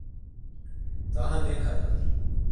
Daha ne kadar?